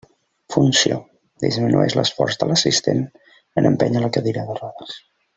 Funció: disminueix l'esforç de l'assistent en empènyer la cadira de rodes.